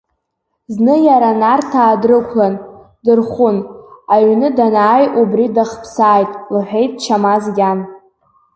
Зны иара Нарҭаа дрықәлан, дырхәын, аҩны данааи, убри дахԥсааит, — лҳәеит Чамаз иан.